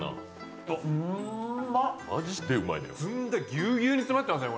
ぎゅうぎゅうに詰まってますね